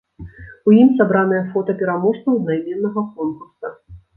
У ім сабраныя фота пераможцаў аднайменнага конкурса.